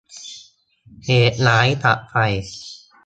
เหตุร้ายจากไฟ